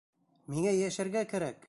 Миңә йәшәргә кәрәк!